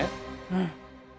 うん。